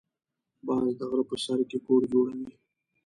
باز د غره په سر کې کور جوړوي